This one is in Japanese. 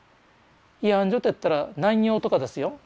慰安所といったら南洋とかですよ